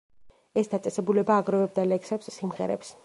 ეს დაწესებულება აგროვებდა ლექსებს, სიმღერებს.